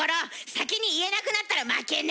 先に言えなくなったら負けね！